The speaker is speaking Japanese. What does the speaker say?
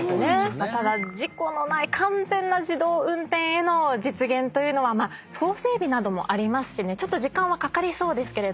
ただ事故のない完全な自動運転への実現というのは法整備などもありますしちょっと時間はかかりそうですけれども。